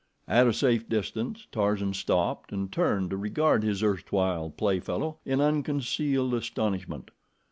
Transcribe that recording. At a safe distance Tarzan stopped and turned to regard his erstwhile play fellow in unconcealed astonishment.